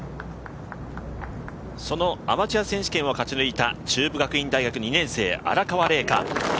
そのアマチュア選手権を勝ち抜いた中部学院大学２年生、荒川怜郁。